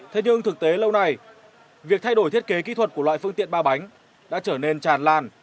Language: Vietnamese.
thế nhưng thực tế lâu nay việc thay đổi thiết kế kỹ thuật của loại phương tiện ba bánh đã trở nên tràn lan